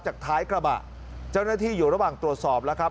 จากท้ายกระบะเจ้าหน้าที่อยู่ระหว่างตรวจสอบแล้วครับ